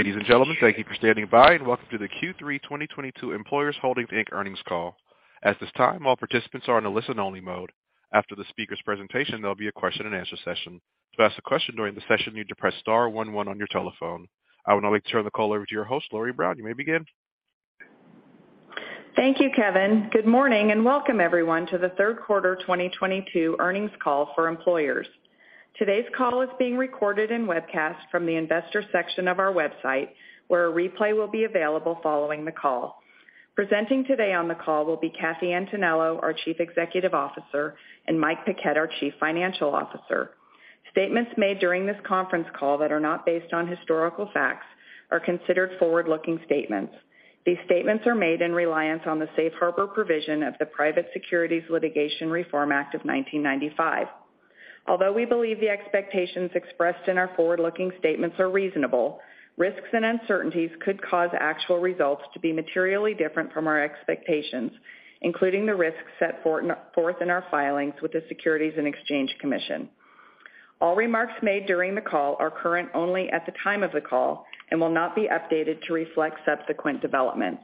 Ladies and gentlemen, thank you for standing by and welcome to the Q3 2022 Employers Holdings, Inc. earnings call. At this time, all participants are in a listen-only mode. After the speaker's presentation, there'll be a question-and-answer session. To ask a question during the session, you need to press star one one on your telephone. I would now like to turn the call over to your host, Lori Brown. You may begin. Thank you, Kevin. Good morning and welcome everyone to the third quarter 2022 earnings call for Employers. Today's call is being recorded and webcast from the investor section of our website, where a replay will be available following the call. Presenting today on the call will be Katherine Antonello, our Chief Executive Officer, and Michael Paquette, our Chief Financial Officer. Statements made during this conference call that are not based on historical facts are considered forward-looking statements. These statements are made in reliance on the Safe Harbor provision of the Private Securities Litigation Reform Act of 1995. Although we believe the expectations expressed in our forward-looking statements are reasonable, risks and uncertainties could cause actual results to be materially different from our expectations, including the risks set forth in our filings with the Securities and Exchange Commission. All remarks made during the call are current only at the time of the call and will not be updated to reflect subsequent developments.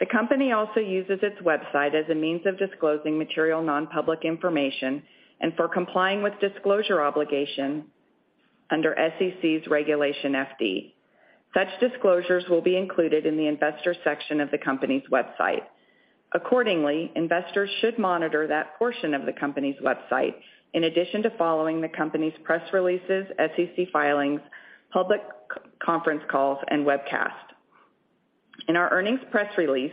The company also uses its website as a means of disclosing material non-public information and for complying with disclosure obligation under SEC's Regulation FD. Such disclosures will be included in the Investors section of the company's website. Accordingly, investors should monitor that portion of the company's website in addition to following the company's press releases, SEC filings, public conference calls and webcasts. In our earnings press release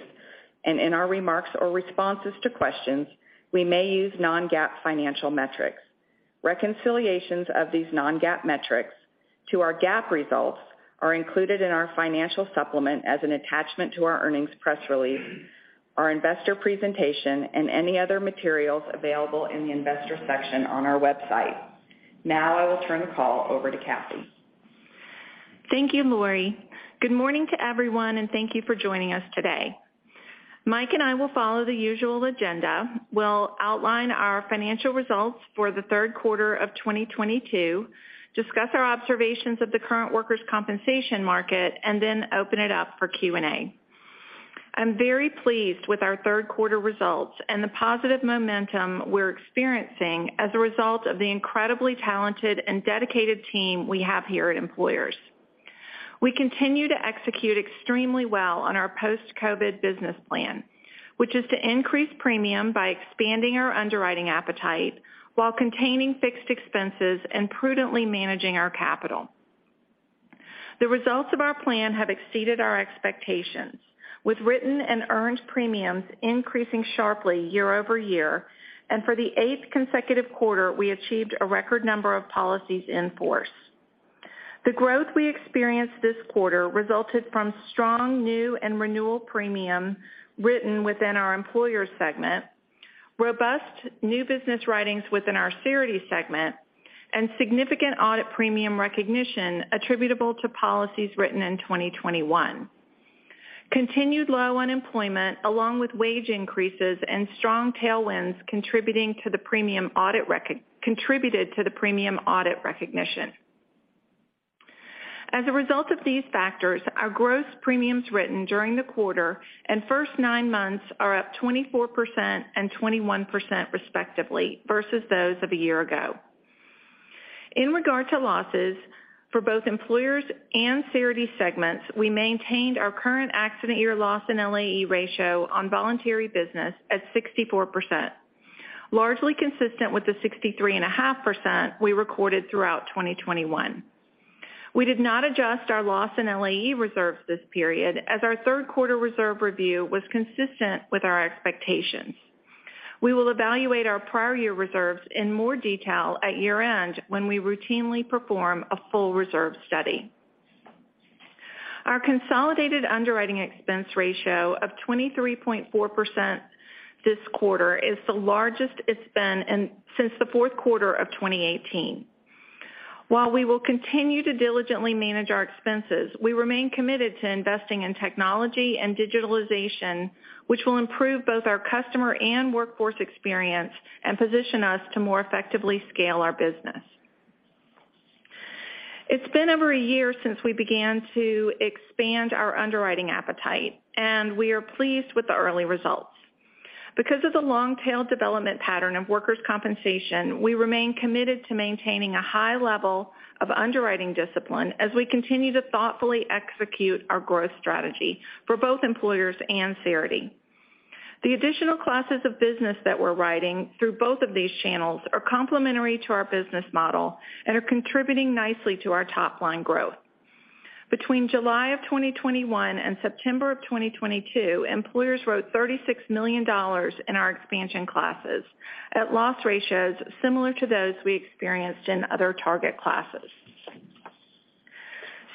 and in our remarks or responses to questions, we may use non-GAAP financial metrics. Reconciliations of these non-GAAP metrics to our GAAP results are included in our financial supplement as an attachment to our earnings press release, our investor presentation, and any other materials available in the Investors section on our website. Now I will turn the call over to Katherine. Thank you, Lori. Good morning to everyone, and thank you for joining us today. Mike and I will follow the usual agenda. We'll outline our financial results for the third quarter of 2022, discuss our observations of the current workers' compensation market, and then open it up for Q&A. I'm very pleased with our third quarter results and the positive momentum we're experiencing as a result of the incredibly talented and dedicated team we have here at Employers. We continue to execute extremely well on our post-COVID business plan, which is to increase premium by expanding our underwriting appetite while containing fixed expenses and prudently managing our capital. The results of our plan have exceeded our expectations, with written and earned premiums increasing sharply YoY, and for the eighth consecutive quarter, we achieved a record number of policies in force. The growth we experienced this quarter resulted from strong new and renewal premium written within our Employers segment, robust new business writings within our Cerity segment, and significant audit premium recognition attributable to policies written in 2021. Continued low unemployment, along with wage increases and strong tailwinds contributed to the premium audit recognition. As a result of these factors, our gross premiums written during the quarter and first nine months are up 24% and 21% respectively versus those of a year ago. In regard to losses, for both Employers and Cerity segments, we maintained our current accident year loss and LAE ratio on voluntary business at 64%, largely consistent with the 63.5% we recorded throughout 2021. We did not adjust our loss and LAE reserves this period as our third quarter reserve review was consistent with our expectations. We will evaluate our prior year reserves in more detail at year-end when we routinely perform a full reserve study. Our consolidated underwriting expense ratio of 23.4% this quarter is the largest it's been since the fourth quarter of 2018. While we will continue to diligently manage our expenses, we remain committed to investing in technology and digitalization, which will improve both our customer and workforce experience and position us to more effectively scale our business. It's been over a year since we began to expand our underwriting appetite, and we are pleased with the early results. Because of the long-tail development pattern of workers' compensation, we remain committed to maintaining a high level of underwriting discipline as we continue to thoughtfully execute our growth strategy for both Employers and Cerity. The additional classes of business that we're writing through both of these channels are complementary to our business model and are contributing nicely to our top-line growth. Between July 2021 and September 2022, Employers wrote $36 million in our expansion classes at loss ratios similar to those we experienced in other target classes.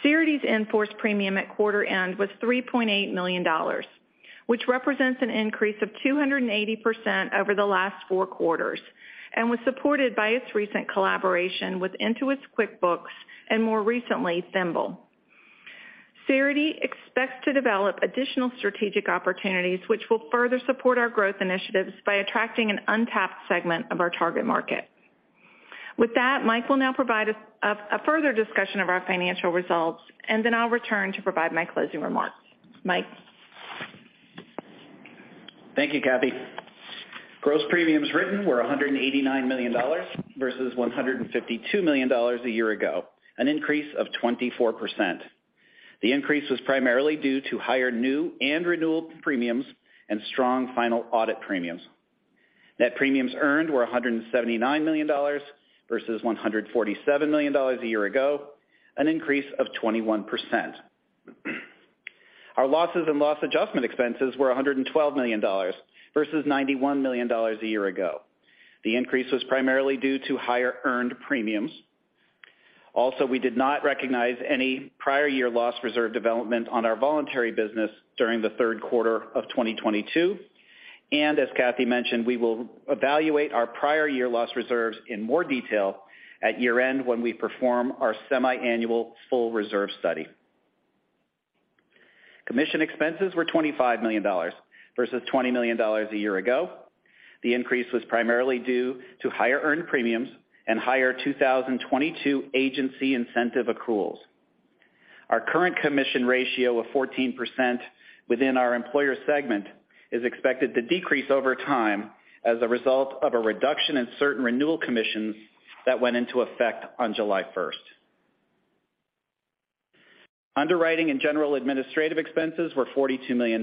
Cerity's in-force premium at quarter end was $3.8 million, which represents an increase of 280% over the last four quarters and was supported by its recent collaboration with Intuit's QuickBooks and more recently, Thimble. Cerity expects to develop additional strategic opportunities which will further support our growth initiatives by attracting an untapped segment of our target market. With that, Mike will now provide us a further discussion of our financial results, and then I'll return to provide my closing remarks. Mike? Thank you, Katherine. Gross premiums written were $189 million versus $152 million a year ago, an increase of 24%. The increase was primarily due to higher new and renewal premiums and strong final audit premiums. Net premiums earned were $179 million versus $147 million a year ago, an increase of 21%. Our losses and loss adjustment expenses were $112 million versus $91 million a year ago. The increase was primarily due to higher earned premiums. Also, we did not recognize any prior year loss reserve development on our voluntary business during the third quarter of 2022. As Katherine mentioned, we will evaluate our prior year loss reserves in more detail at year-end when we perform our semi-annual full reserve study. Commission expenses were $25 million versus $20 million a year ago. The increase was primarily due to higher earned premiums and higher 2022 agency incentive accruals. Our current commission ratio of 14% within our Employers segment is expected to decrease over time as a result of a reduction in certain renewal commissions that went into effect on July 1st. Underwriting and general administrative expenses were $42 million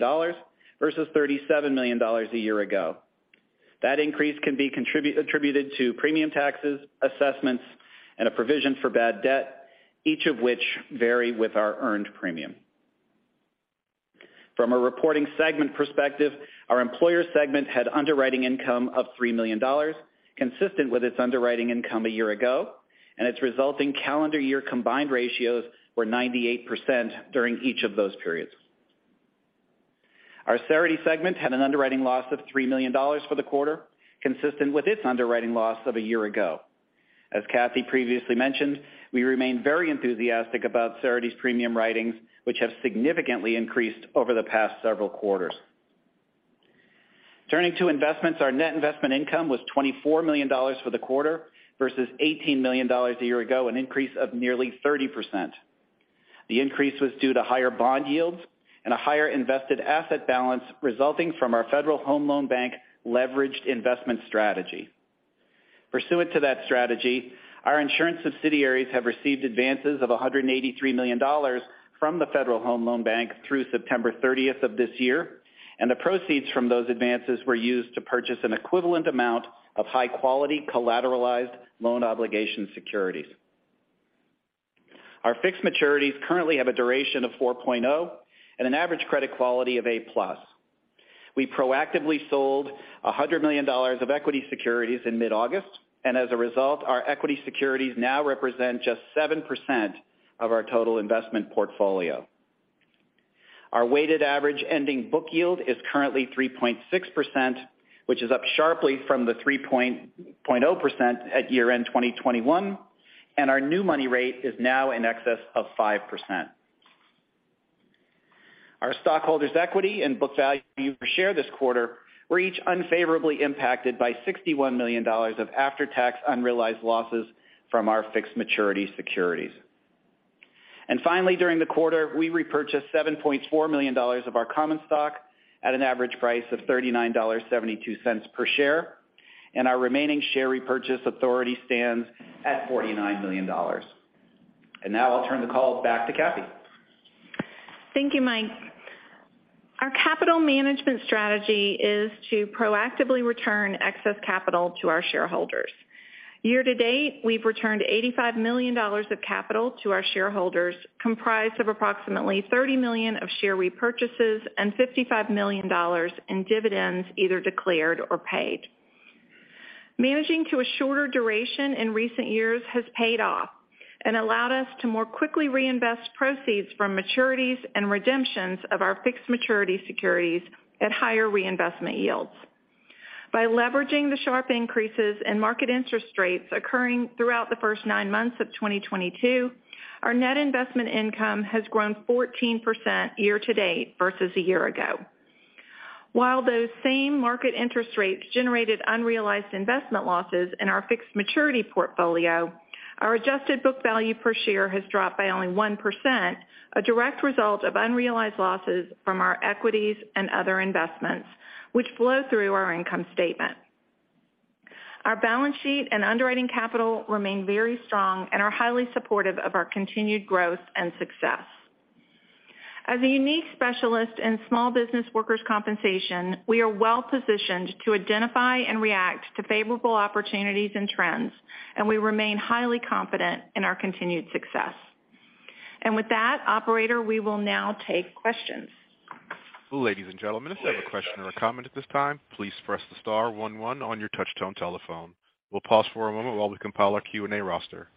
versus $37 million a year ago. That increase can be attributed to premium taxes, assessments, and a provision for bad debt, each of which vary with our earned premium. From a reporting segment perspective, our Employers segment had underwriting income of $3 million, consistent with its underwriting income a year ago, and its resulting calendar year combined ratios were 98% during each of those periods. Our Cerity segment had an underwriting loss of $3 million for the quarter, consistent with its underwriting loss of a year ago. As Katherine previously mentioned, we remain very enthusiastic about Cerity's premium writings, which have significantly increased over the past several quarters. Turning to investments, our net investment income was $24 million for the quarter versus $18 million a year ago, an increase of nearly 30%. The increase was due to higher bond yields and a higher invested asset balance resulting from our Federal Home Loan Bank leveraged investment strategy. Pursuant to that strategy, our insurance subsidiaries have received advances of $183 million from the Federal Home Loan Bank through September 30th of this year, and the proceeds from those advances were used to purchase an equivalent amount of high-quality collateralized loan obligation security. Our fixed maturities currently have a duration of 4.0 and an average credit quality of A+. We proactively sold $100 million of equity securities in mid-August, and as a result, our equity securities now represent just 7% of our total investment portfolio. Our weighted average ending book yield is currently 3.6%, which is up sharply from the 3.0% at year-end 2021, and our new money rate is now in excess of 5%. Our stockholders' equity and book value per share this quarter were each unfavorably impacted by $61 million of after-tax unrealized losses from our fixed maturity securities. Finally, during the quarter, we repurchased $7.4 million of our common stock at an average price of $39.72 per share, and our remaining share repurchase authority stands at $49 million. Now I'll turn the call back to Katherine. Thank you, Mike. Our capital management strategy is to proactively return excess capital to our shareholders. Year to date, we've returned $85 million of capital to our shareholders, comprised of approximately $30 million of share repurchases and $55 million in dividends either declared or paid. Managing to a shorter duration in recent years has paid off and allowed us to more quickly reinvest proceeds from maturities and redemptions of our fixed maturities securities at higher reinvestment yields. By leveraging the sharp increases in market interest rates occurring throughout the first nine months of 2022, our net investment income has grown 14% year to date versus a year ago. While those same market interest rates generated unrealized investment losses in our fixed maturities portfolio, our adjusted book value per share has dropped by only 1%, a direct result of unrealized losses from our equities and other investments, which flow through our income statement. Our balance sheet and underwriting capital remain very strong and are highly supportive of our continued growth and success. As a unique specialist in small business workers' compensation, we are well positioned to identify and react to favorable opportunities and trends, and we remain highly confident in our continued success. With that, operator, we will now take questions. Ladies and gentlemen, if you have a question or a comment at this time, please press star one one on your touchtone telephone. We'll pause for a moment while we compile our Q&A roster.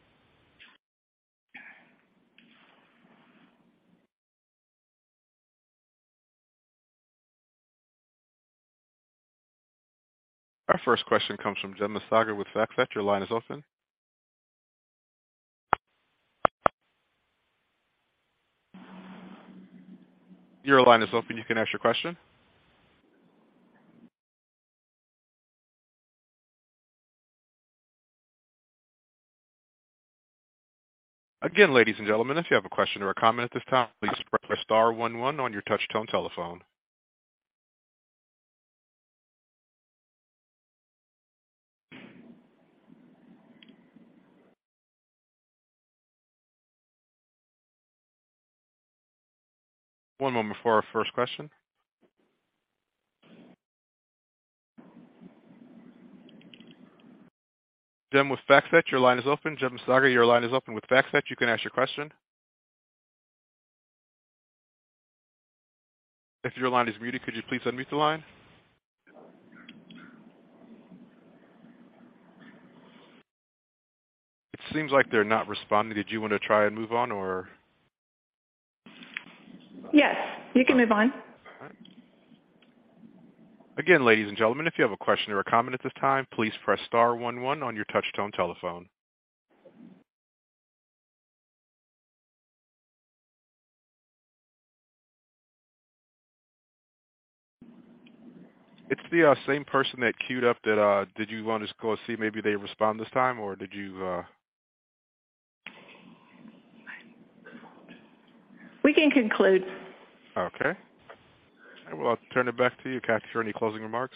Our first question comes from Jon Masaga with FactSet. Your line is open. Your line is open, you can ask your question. Again, ladies and gentlemen, if you have a question or a comment at this time, please press star one one on your touchtone telephone. One moment before our first question. Jon with FactSet, your line is open. Jon Masaga, your line is open with FactSet. You can ask your question. If your line is muted, could you please unmute the line? It seems like they're not responding. Did you wanna try and move on or? Yes, you can move on. All right. Again, ladies and gentlemen, if you have a question or a comment at this time, please press star one one on your touchtone telephone. It's the same person that queued up that. Did you wanna just go see maybe they respond this time, or did you. We can conclude. Okay. Well, I'll turn it back to you, Katherine, for any closing remarks.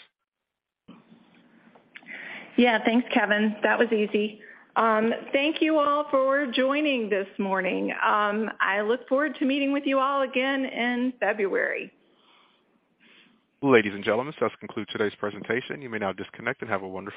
Yeah. Thanks, Kevin. That was easy. Thank you all for joining this morning. I look forward to meeting with you all again in February. Ladies and gentlemen, this does conclude today's presentation. You may now disconnect and have a wonderful day.